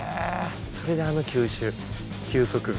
それであの球種球速。